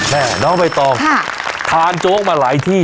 แม่น้องใบตองทานโจ๊กมาหลายที่